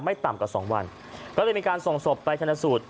ต่ำกว่าสองวันก็เลยมีการส่งศพไปชนะสูตร